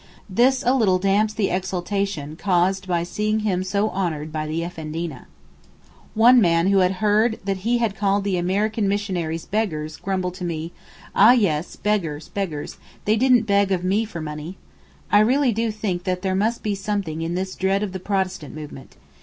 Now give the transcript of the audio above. This a little damps the exultation caused by seeing him so honoured by the Effendina. One man who had heard that he had called the American missionaries 'beggars,' grumbled to me, 'Ah yes, beggars, beggars, they didn't beg of me for money.' I really do think that there must be something in this dread of the Protestant movement.